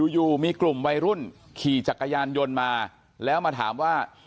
อยู่มีกลุ่มวัยรุ่นขี่จักรยานยนต์มาแล้วมาถามว่า